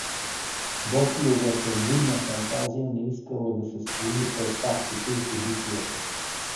Ботйовата буйна фантазия не искала да се склони пред фактите и събитията.